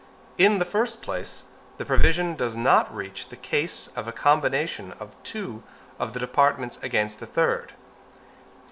In the first place, the provision does not reach the case of a combination of two of the departments against the third.